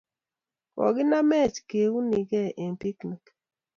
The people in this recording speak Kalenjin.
Kokinamech keunigei eng' picnic